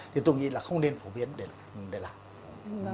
nhưng tôi nghĩ là không nên phổ biến để làm